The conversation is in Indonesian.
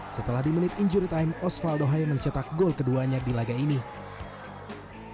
setelah di menit injury time osvaldo hai mencetak gol keduanya di laga ini